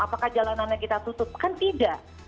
apakah jalanannya kita tutup kan tidak